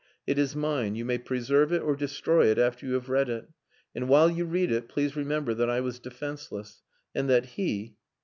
It is mine. You may preserve it, or destroy it after you have read it. And while you read it, please remember that I was defenceless. And that he.."